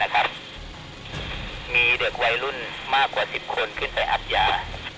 ขอกำลังคนขึ้นไปบล็อกด้วยนะครับ